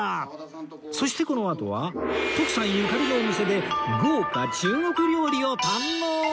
そしてこのあとは徳さんゆかりのお店で豪華中国料理を堪能！